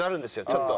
ちょっと。